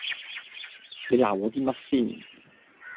你鬧過我啲乜先